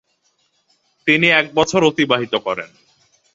তিনি এক বছর অতিবাহিত করেন।